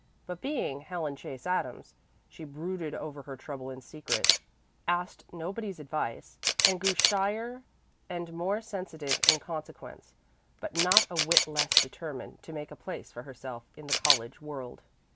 But being Helen Chase Adams, she brooded over her trouble in secret, asked nobody's advice, and grew shyer and more sensitive in consequence, but not a whit less determined to make a place for herself in the college world.